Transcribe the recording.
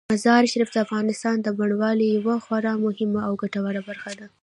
مزارشریف د افغانستان د بڼوالۍ یوه خورا مهمه او ګټوره برخه ده.